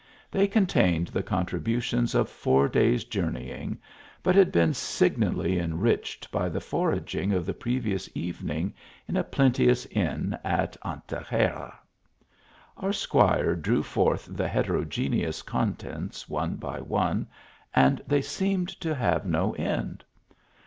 They contained the contributions of f&ur days jour neying, but had been signally enriched hv the for THE JOURNEY. 19 aging of the previous evening, in a plenteous inn at Antequera. Our Squire drew forth the heterogene ous contents one by one, and they seemed to have no end.